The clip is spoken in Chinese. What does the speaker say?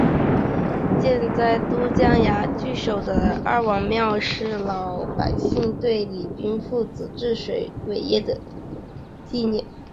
建在都江堰渠首的二王庙是老百姓对李冰父子治水伟业的纪念。